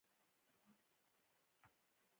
په دې عمر کې د ماشوم لومړیتوب وده ده.